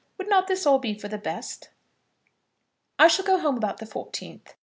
Would not this be all for the best? I shall go home about the 14th.